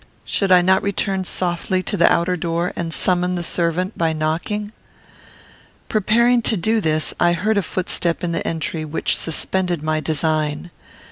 Should I not return softly to the outer door, and summon the servant by knocking? Preparing to do this, I heard a footstep in the entry which suspended my design.